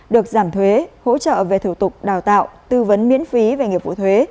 được giảm thuế hỗ trợ về thủ tục đào tạo tư vấn miễn phí về nghiệp vụ thuế